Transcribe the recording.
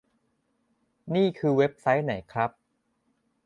นี่คือเว็บไซต์ไหนครับ